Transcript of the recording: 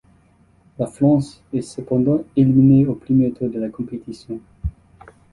La France est cependant éliminée au premier tour de la compétition.